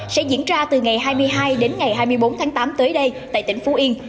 sẽ diễn ra từ ngày hai mươi hai đến ngày hai mươi bốn tháng tám tới đây tại tỉnh phú yên